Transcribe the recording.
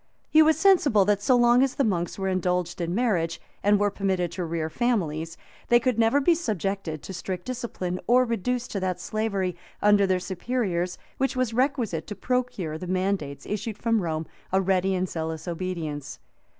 He was sensible that so long as the monks were indulged in marriage, and were permitted to rear families, they never could be subjected to strict discipline, or reduced to that slavery, under their superiors, which was requisite to procure to the mandates, issued from Rome, a ready and zealous obedience.